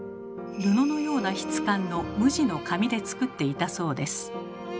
布のような質感の無地の紙で作っていたそうです。